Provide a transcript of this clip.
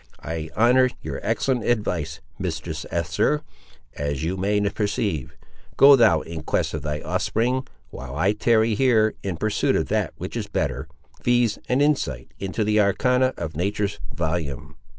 "I honour your excellent advice, Mistress Esther, as you may perceive. Go thou in quest of thy offspring; while I tarry here, in pursuit of that which is better; viz. an insight into the arcana of Nature's volume."